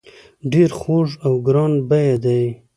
ډیر خوږ او ګران بیه دي.